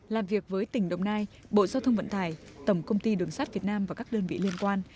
làm việc với tỉnh đồng nai bộ giao thông vận tải tổng công ty đường sắt việt nam và các đơn vị liên quan